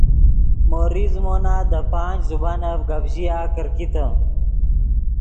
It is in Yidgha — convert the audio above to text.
مو ریز زیمونہ دے پانچ زبانف گپ ژیا کرکیتے